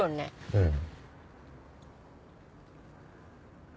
うん。